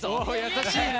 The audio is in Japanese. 優しいな。